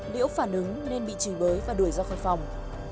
liễu phản ứng nên bị trì bới và đuổi ra khỏi phòng